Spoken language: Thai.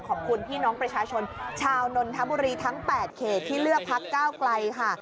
ขอบคุณพี่น้องประชาชนชาวนนทบุรีทั้ง๘เขตที่เลือกพักก้าวไกลค่ะ